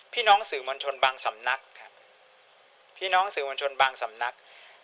พี่น้องสื่อมวลชนบางสำนักค่ะพี่น้องสื่อมวลชนบางสำนัก